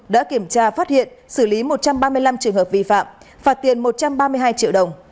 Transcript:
đã kiểm tra phát hiện xử lý một trăm ba mươi năm trường hợp vi phạm phạt tiền một trăm ba mươi hai triệu đồng